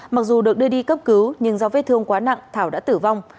mặc dù được đưa đi cấp cứu nhưng do vết thương quá nặng thảo đã tử vong